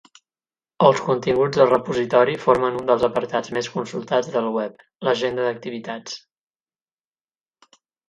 Els continguts del repositori formen un dels apartats més consultats de la Web: l'agenda d'activitats.